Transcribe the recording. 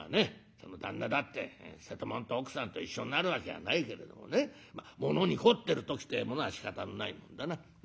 その旦那だって瀬戸物と奥さんと一緒になるわけがないけれどもねものに凝ってる時ってえものはしかたのないもんだな。